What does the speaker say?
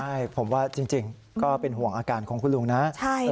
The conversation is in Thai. ใช่ผมว่าจริงก็เป็นห่วงอาการของคุณลุงนะ